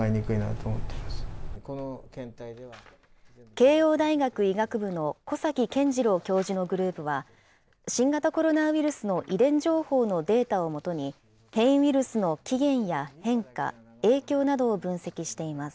慶応大学医学部の小崎健次郎教授のグループは、新型コロナウイルスの遺伝情報のデータを基に、変異ウイルスの起源や変化、影響などを分析しています。